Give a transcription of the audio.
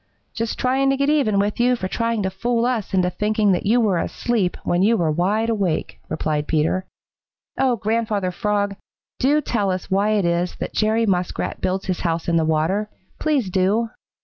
"Just trying to get even with you for trying to fool us into thinking that you were asleep when you were wide awake," replied Peter. "Oh, Grandfather Frog, do tell us why it is that Jerry Muskrat builds his house in the water. Please do!"